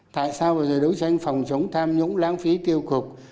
tại sao bây giờ đấu tranh phòng chống tham nhũng lãng phí tiêu cực